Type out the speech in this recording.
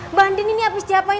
mbak andin ini abis diapain